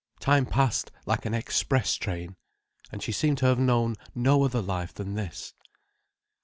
Time passed like an express train—and she seemed to have known no other life than this.